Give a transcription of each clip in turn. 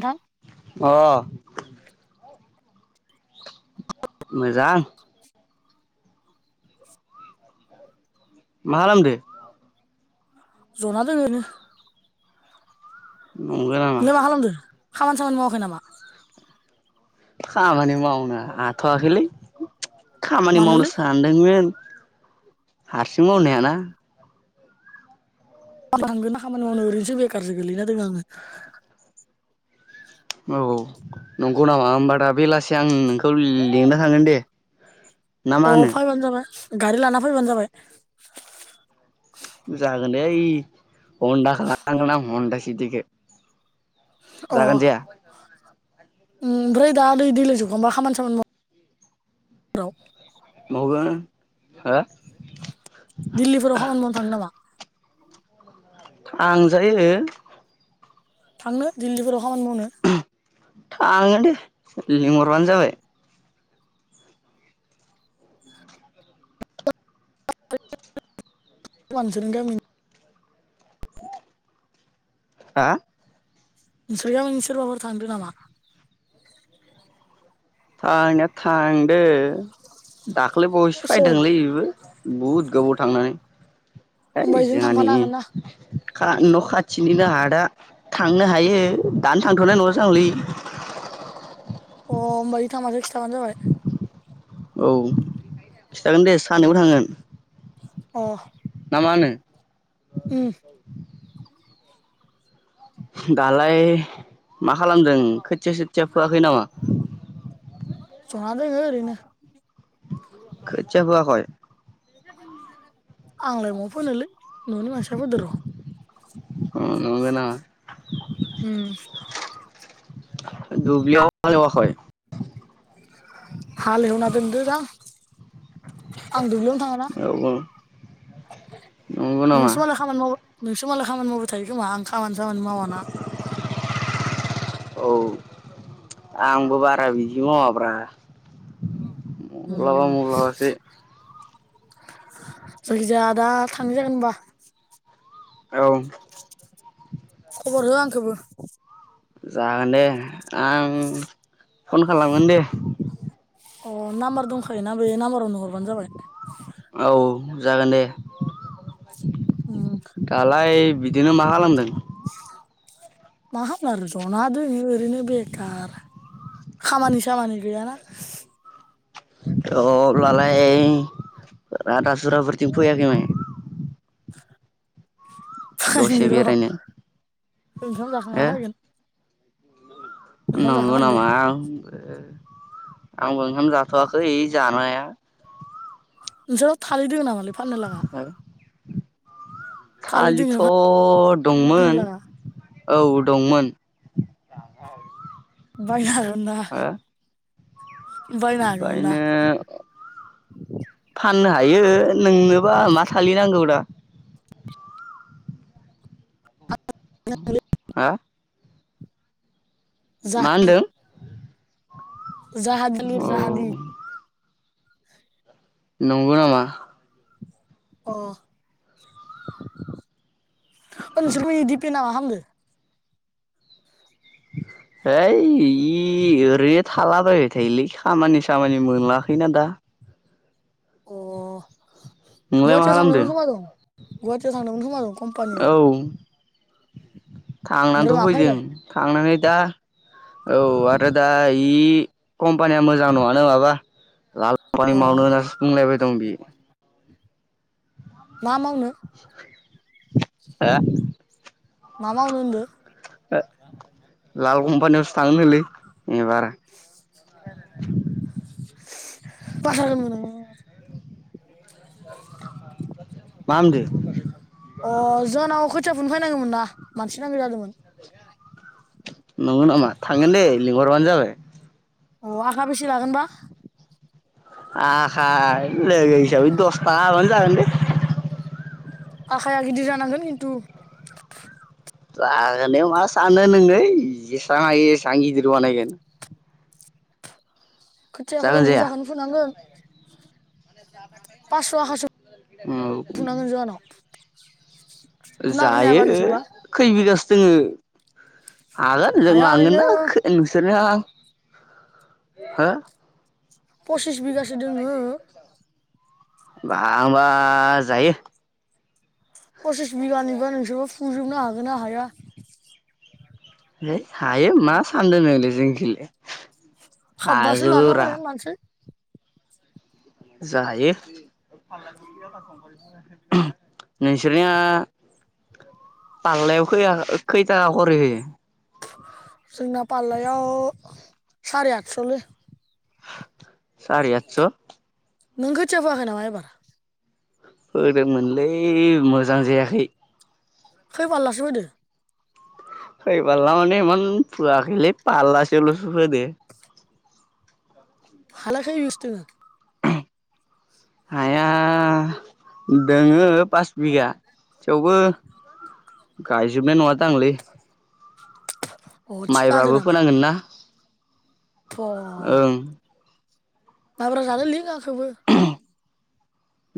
नोंथां अ मोजां। मा खालामदो? ज'ना दों ओरनो। नंगो नामा? खालामदो? खामानि सामानि मावाखै नामा? खामानि मावनो हथ'वाखैलै। खामानि मावनो मानोलै सानदोंमोन। हारसिं मावनो हाया ना। खा थांगोन ना खामानि मावनो ओरैनोसो बेखारसो गोलैना दङ आङो। औ। नंगौ नामा होनबा दा बेलासि आं नोंखौ लिंनो थांगोन दे। ना मा अ होनो फायबानो जाबाय। गारि लाना फैबानो जाबाय। जागोन दे ओइ हन्दा खालामनांगोन हन्दा सिथिखो। जागोन जाया? ओम ओमफ्राय दा दै दैलाय जोबखांबा खामानि सामानि माव [unintelligible] मावगोन हो? दिल्लीफोराव खामानि मावनो थांनो नामा? थां जायो। थांनो दिल्लीफोराव खामानि मावनो? थाङो दे लिंहरबानो जाबाय। [unintelligible] हा नोंसोर गामिनि सोरबाफोर थांदो नामा? थांनाया थांदो। दाख्लै बावैसो सोर फैदोंलै बेबो बहुद गोबाव थांनानै है होमबा इजोंनो जोंहानि थांफानो हागोन ना खा न खाथिनिनो आदा थांनो हायो दानो थांथ'नाय नङा [unintelligible] अ होमबा [unintelligible] औ खिथागोन दे अ सानैबो थांगोन अ मानो उम दालाय मा खालामदों खोथिया सोथिया फोआखै नामा जना दोङो ओरैनो खोथिया फोआखय आंलाय म फोनोलै ननि मानसिफ्राबो दर ओम अ नंगौ नामा दुब्लियाव [unintelligible] हाल एवना दोन दो दां आं दुब्लियावनो थाङाना औ नंगौ नामा नोंसो मालाय खामानि मावो नोंसो मालाय खामानि मावबाय थायो खोमा आं खामानि सामानि मावाना औ आंबो बारा बिबदि मावा ब्रा। [inaudible] मुलाबा उम मुलासै। जायखिजाया दा थांनो जायाखै होनबा। औ। खबर हो आंखोबो। जागोन दे आं फन खालामगोन दे अ नाम्बार दंखायोना बे नाम्बारावनो हरबानो जाबाय। औ जागोन दे उम दालाय बिदिनो मा खालामदों। मा खालामनो आरो जना दों ओरैनो बेखार खामानि सामानि गैयाना अब्लालाय रादासुराफोरथिं फैयाखै मायो [inaudible] दसे फायनिर' बेरायनो ओंखाम जाखांना हो फैगोन ओंखाम जाखां नंगौ फैगोन दे नामा आं आंबो ओंखाम जाथ'वाखै जानाया। ज थालिद दङ नामालै फाननो लाङा थालिथ'थ फाननो दंमोन लागा औ दंमोन बायहा बा बायनो फाननो हायो नोंनोबा मा थालिद नांगौ दा हा मा जाहा होनदों जाहादि [unintelligible] जाहादि औ नंगौ नामा अ ओ नोंसोरबो बेदि फेयो नामा हा बुंदों है इदि ओरै थालाबायबाय थायोलै खामानि सामानि मोनाखैना दा अ नोंलाय मा गुवाहाटीयाव खालामदों थांदोंमोन खोमा दं गुवाहाटीयाव थांदोंमोन खोमा दं कम्पानियाव औ [inaudible] ओमफ्राय थांनानैथ' मा फैदों फैबाय थांनानै दा औ आरोदा जि कम्पानिया मोजां नङानो माबा अ लालफानि मावनो होनासो बुंलायबाय दं बियो मा मावनो [unintelligible] हा मा मावो होनदो [unintelligible] यावसो थांनो नोंलै [unintelligible] [unintelligible] अ जानाव मा होनदो [unintelligible] फुनो फैनांगौमोन ना मानसि नांगौ जादोंमोन [unintelligible] नंगौ नामा थांगोन दे लिंहरबानो जाबाय अ आखा बेसे लागोनबा आ खाय लोगो हिसाबै दस तागा होबानो जागोन दे। आखाया गिदिर जानांगोन किन्थु। जागोन दे मा सानदो नोङै जेसां हायो एसां गिदिर बानायगोन। खोथियाखो जागोन जाया बुरजाखोनो फुनांगोन पासस' आखासे औ [unintelligible] फुनो हागोन ना जायो हायाबा नोंसोरबा खै बिगासो जोङो हागोन जों हाया लांगोन ओरैनो ना खो-नोंसोरनो [unintelligible] पसिस बिगासो दोङो बा होमबा जायो। फसिस बिगानिबा नोंसोरबो फु फुजोबनो हागोन ना हाया है हायो मा सानदों नोंलै जों खोलाय खाबासो लाना फाय मानसि जायो। [unintelligible] नोंसोरनिया पाल्लायाव खैआ खै खरै होयो? जोंना पाल्लायाव सारे आतस'लै। सारि आतस'? नों खोथिया फोआखै नामा एबार? फोदोंमोनलै मोजां जायाखै। खै पाल्लासो फोदो? खै पाल्ला माने इमान फोआखैलै पाल्लासेल'सो फोदो। [unintelligible] हाया दोङो पास बिगा थेवबो गायजोबनाय नङा। दांलै अ थिखा होदो माइब्राबो नामा फोनांगोन ना। फ ओं माइब्रा जानो लिं आंखोबो।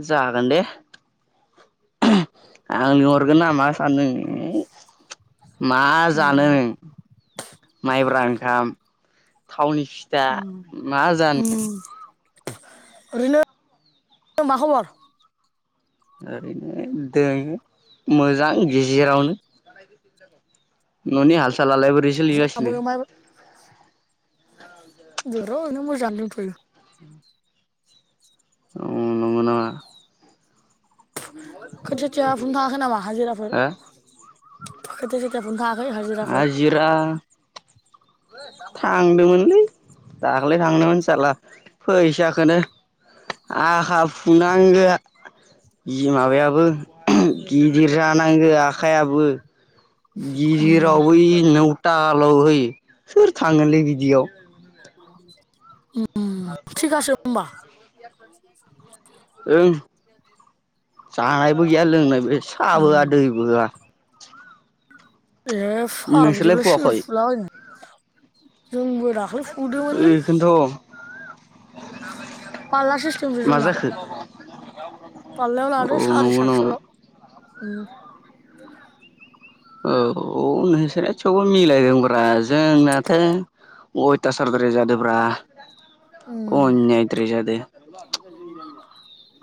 जागोन दे आं लिंहरगोन ना मा सानदों। ओम मा जानो उम नों माइब्रा ओंखाम थावनि फिथा मा जानो ओरिनो मा खबर? ओरैनो दोङो मोजां गेजेरावनो। न'नि हाल सालालाय बोरै जोंहाबो सोलिगासिनो? र' ओरैनो मोजां दंथ'यो। ओं नंगौ नामा? खोथियाथिया बुंनो थाङाखै नामा हाजिराफोर हो खोथिया सोथिया बुंनो थाङाखै हाजिराफोर? हाजिरा थांदोंमोनलै। दाख्लै थांनो मोन साल्ला फैसाखोनो आखा फुनांगो जि माबायाबो गिदिर जानांगो आखाइयाबो उम गिदिरावबो इनाव तालाव होयो सोर थाङोनोलै बिदियाव। उम थिखासो होमबा [unintelligible] [inaudible] ओं [inaudible] जानायबो गैया लोंनायबो बे साबो उम होया दैबो होया [unintelligible] ए नोंसोरलाय फागजोबालाय सोर फुवाखै फुला बायनो, जोंबो दाख्लै ओ फुदोंमोनलै इखोन्थ' पाल्ला सिस्टेमसो मा जोंना जाखो पाल्लायाव औ लादो सारि नंगौ नामा सातस'ल' उम औ नोंसोरना थेवबो मिलायदोंब्रा जोंनाथो अयतासारद्राय जादो ब्रा, उम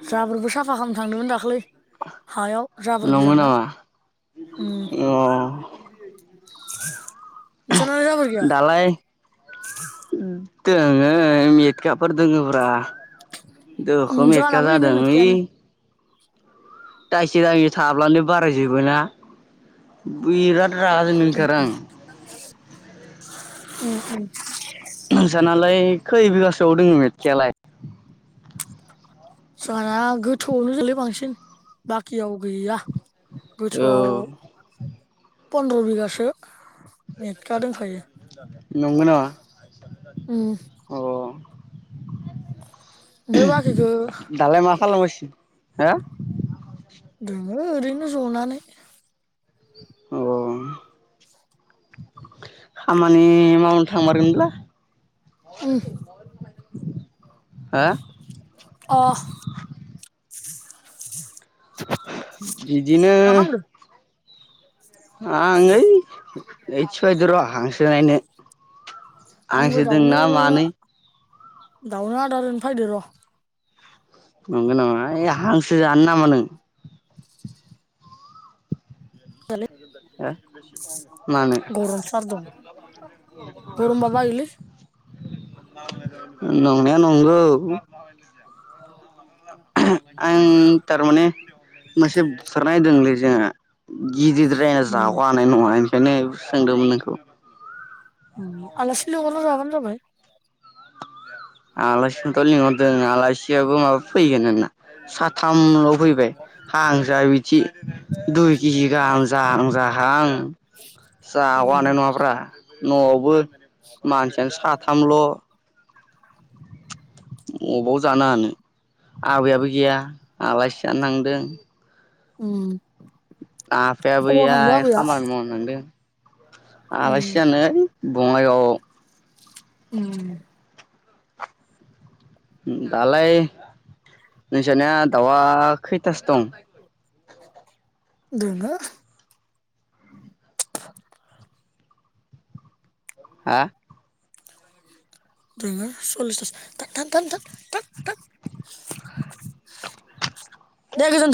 जाबोरबो साफा खामनो थांदोंमोन दाख्लै हायाव, जाबोर नंगौ गोजाना नामा उम अ [unintelligible] नोंसानालाय जाबोर गैया, दालाय दोङो मेथखाफोर दोङो ब्रा, उम दोखो मेथका जोंहानाबो इनो जादों इ मेटखायानो दायसो जायो थाङाब्लानो बारायजोबो ना बिराद रागा जोंनो ओंखारो आं, उम उम नोंसानालाय खै बिगासोआव दोङो मेटखायालाय जोंङाना गोथौआवनो जोलै बांसिन बाकियाव गैया औ गोथौआव पन्र्दबिगासो मेथका दोंखायो नंगो नामा उम अ ओमफाय बाखिखो खालाम गासिनो हो दोङो ओरैनो जनानै अह खामानि मावनो थांमारगोनब्ला उम हा अह इदिनो आं ओय एथि बायद र' हांसो नायनो हांसो दोंना मानै दावना आदारनो फायदो र' नंगौ नामा एओ हांसो जानो नामा नों हो मानो [unintelligible] गरम सार दं गरमबा बायोलै नंनाया नं नंगौ आं थारमाने मोनसे बुथारनाय दोंलै जोंहा गिदिर्रायना उम जाग' हानाय नङा ओंखायनो सोंदोंमोन नोंखौ आलासिलिंहरना जाबानो जाबाय आलासिखौथ' लिंहरदों आलासियाबो माबा फैगोन होनना साथामल' फैबाय हां जा बिदि दुइ केजि गाहाम जाहां जाहां उम जागहानाय नङाब्रा न'आवबो मानसियानो साथामल' बबाव जानो हानो आबैयाबो गैया आलासि जानो थांदों उम आफायाबो अबाव गैया थांदो आबैया खामानि मावनो थांदों उम आलासि जानो ओइ बङाइगाव आव उम। दालाय नोंसानिया दावा खैथासो दं? दोङो हा? दोङो सलिसथास थां थां थां थां थां दे गोजोन्थों।